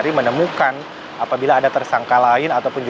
dikendalikan oleh ktp